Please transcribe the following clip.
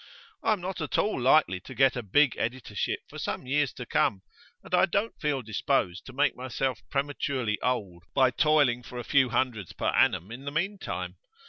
I am not at all likely to get a big editorship for some years to come, and I don't feel disposed to make myself prematurely old by toiling for a few hundreds per annum in the meantime.